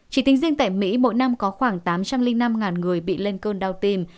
chỉ tính riêng tại mỹ mỗi năm có khoảng tám trăm linh năm người bị lên cơn đau tim